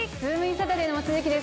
サタデーの望月です。